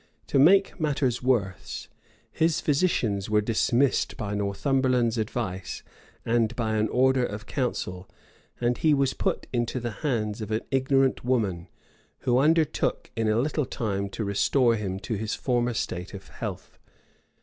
To make matters worse, his physicians were dismissed by Northumberland's advice, and by an order of council; and he was put into the hands of an ignorant woman, who undertook in a little time to restore him to his former state of health.